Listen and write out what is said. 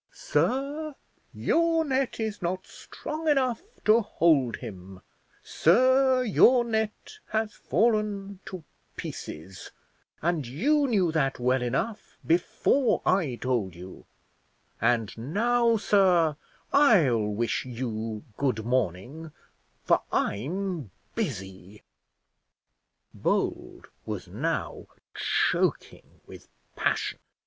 Sir, your net is not strong enough to hold him; sir, your net has fallen to pieces, and you knew that well enough before I told you and now, sir, I'll wish you good morning, for I'm busy." Bold was now choking with passion.